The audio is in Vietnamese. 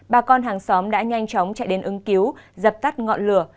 bà con hàng xóm đã nhanh chóng chạy đến ứng cứu dập tắt ngọn lửa